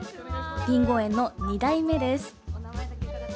りんご園の２代目です。